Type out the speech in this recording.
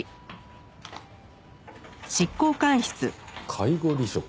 介護離職？